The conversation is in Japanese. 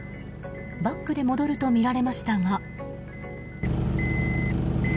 バックで戻るとみられましたが。